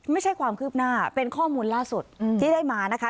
ไม่ใช่ความคืบหน้าเป็นข้อมูลล่าสุดที่ได้มานะคะ